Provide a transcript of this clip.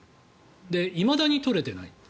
で、いまだに取れていない。